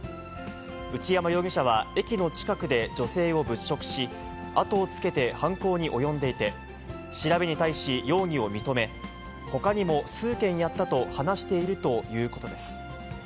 内山容疑者は駅の近くで女性を物色し、後をつけて犯行に及んでいて、調べに対しようぎをみとめほかにも数件やったと話しているということです。